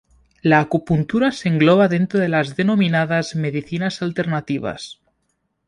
La acupuntura se engloba dentro de las denominadas medicinas alternativas.